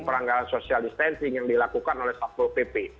peranggalan social distancing yang dilakukan oleh satpol pp